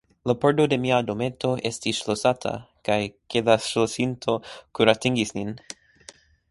La pordo de mia dometo estis ŝlosata kaj ke la ŝlosinto kuratingis nin.